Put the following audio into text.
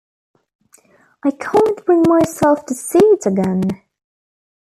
I can't bring myself to see it again.